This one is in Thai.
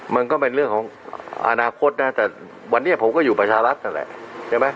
มันก็เป็นเรื่องของอนาคตนะแต่วันนี้ผมก็อยู่ประชารัฐนั่นแหละใช่ไหม